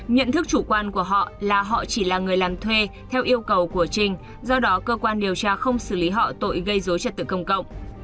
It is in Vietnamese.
nhận thức chủ quan của họ là họ chỉ là người làm thuê theo yêu cầu của trình do đó cơ quan điều tra không xử lý họ tội gây dối trật tự công cộng